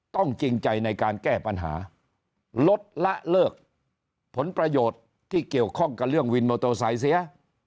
จริงใจในการแก้ปัญหาลดละเลิกผลประโยชน์ที่เกี่ยวข้องกับเรื่องวินมอเตอร์ไซค์เสีย